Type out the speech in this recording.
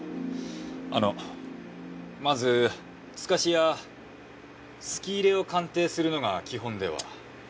あのまずすかしやすき入れを鑑定するのが基本では？